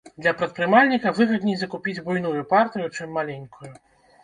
Для прадпрымальніка выгадней закупіць буйную партыю, чым маленькую.